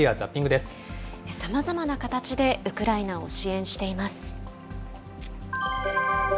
さまざまな形でウクライナを支援しています。